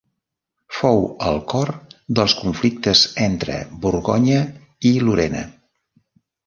Fou al cor dels conflictes entre Borgonya i Lorena.